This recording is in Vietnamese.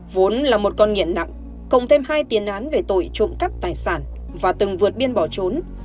vốn là một con nghiện nặng cùng thêm hai tiền án về tội trộm cắp tài sản và từng vượt biên bỏ trốn